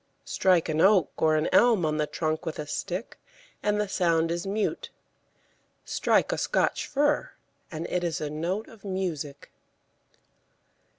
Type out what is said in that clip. Strike an oak or an elm on the trunk with a stick, and the sound is mute; strike a Scotch fir, and it is a note of music.